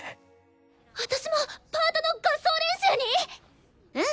私もパートの合奏練習に⁉うん。